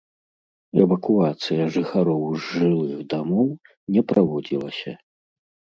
Эвакуацыя жыхароў з жылых дамоў не праводзілася.